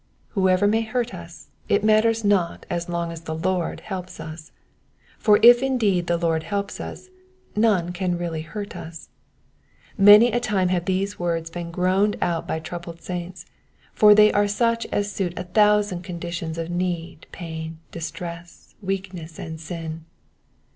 Whoever may hurt us, it matters not so long Digitized by VjOOQIC 204 EXPOSITIONS OF THB PSALMS. Q9 the Lord helps us ; for if indeed the Lord help us, Done can really hurt us. Many a time have these words been groaned out by troubled saints, for they are such as suit a thousand conditions of need, pain, distress, weak ness, and sin.